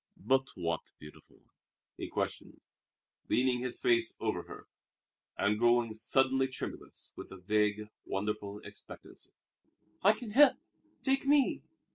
"But what, beautiful one?" he questioned, leaning his face over her, and growing suddenly tremulous with a vague, wonderful expectancy. "I can help! Take me!"